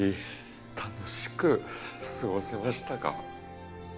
楽しく過ごせましたか？